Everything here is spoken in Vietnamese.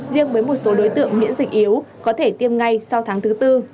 riêng với một số đối tượng miễn dịch yếu có thể tiêm ngay sau tháng thứ tư